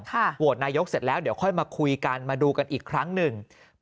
โหวตนายกเสร็จแล้วเดี๋ยวค่อยมาคุยกันมาดูกันอีกครั้งหนึ่ง